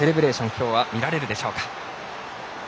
今日は見られるでしょうか。